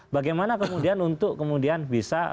bagaimana kemudian untuk kemudian bisa